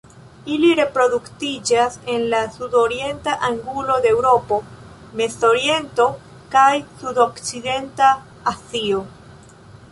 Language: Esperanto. Ili reproduktiĝas en la sudorienta angulo de Eŭropo, Mezoriento kaj sudokcidenta Azio.